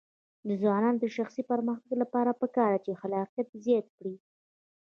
د ځوانانو د شخصي پرمختګ لپاره پکار ده چې خلاقیت زیات کړي.